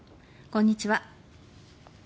こんにちは。